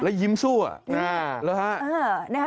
แล้วยิ้มสู้อะฮะ